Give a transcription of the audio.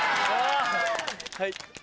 はい。